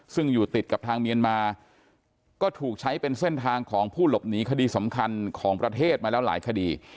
ซึ่งอยู่ติดกับทางเมียนมาก็ถูกใช้เป็นเส้นทางของผู้หลบหนีคดีสำคัญของประเทศมาแล้วหลายคดี